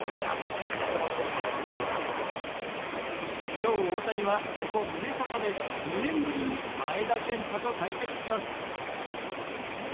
今日大谷はここミネソタで２年ぶりに前田健太と対決します。